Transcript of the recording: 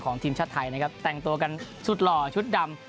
ทีมชาติไทยนะครับแต่งตัวกันสุดหล่อชุดดำ